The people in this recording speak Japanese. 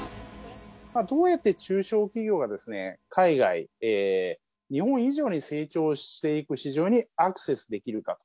どうやって中小企業が海外、日本以上に成長していく市場にアクセスできるかと。